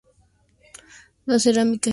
La cerámica está hecha cuidadosamente a mano.